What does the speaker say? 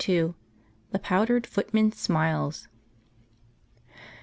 The powdered footman smiles.